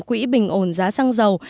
quỹ bình ổn giá xăng dầu